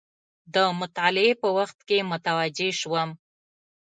د مطالعې په وخت کې متوجه شوم.